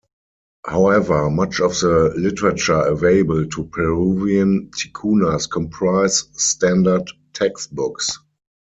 However, much of the literature available to Peruvian Ticunas comprise standard textbooks.